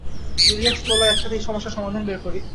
Julius, চলো একসাথে এই সমস্যার সমাধান বের করি।